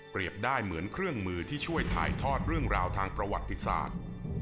ได้เหมือนเครื่องมือที่ช่วยถ่ายทอดเรื่องราวทางประวัติศาสตร์